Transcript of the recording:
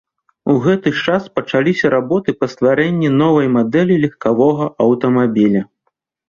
У гэты ж час пачаліся работы па стварэнні новай мадэлі легкавога аўтамабіля.